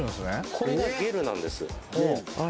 これがゲルなんです。